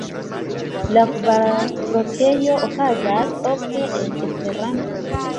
La kvartrokeo okazas ofte en Esperanto.